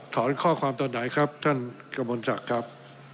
ถอนข้อความตอนไหนครับท่านกมณศักครับ